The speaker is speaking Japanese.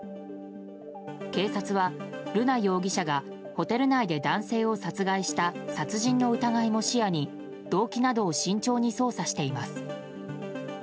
警察は瑠奈容疑者がホテル内で男性を殺害した殺人の疑いも視野に動機など慎重に捜査しています。